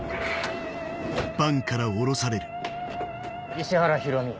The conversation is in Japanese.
石原宏美。